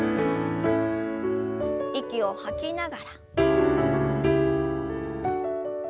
息を吐きながら。